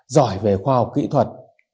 giỏi về khoa học kỹ thuật